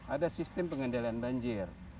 ada sistem pengendalian banjir